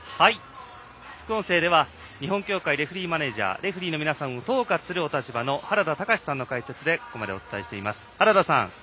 副音声では日本協会レフリーマネージャーレフリーの皆さんを統括するお立場の原田隆司さんの解説でここまでお伝えしています。